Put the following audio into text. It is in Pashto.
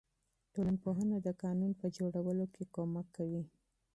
ټولنپوهنه د قانون په جوړولو کې مرسته کوي.